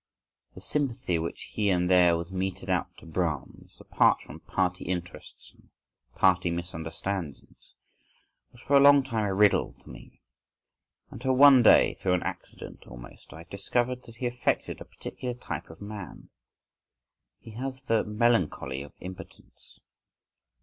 … The sympathy which here and there was meted out to Brahms, apart from party interests and party misunderstandings, was for a long time a riddle to me, until one day through an accident, almost, I discovered that he affected a particular type of man. He has the melancholy of impotence.